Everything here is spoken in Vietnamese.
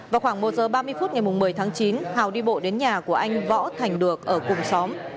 vào khoảng một h ba mươi phút ngày một mươi tháng chín hào đi bộ đến nhà của anh võ thành được ở cùng xóm